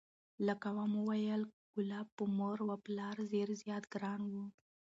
لکه ومو ویل کلاب په مور و پلار ډېر زیات ګران و،